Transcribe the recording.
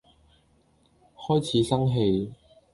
開始生氣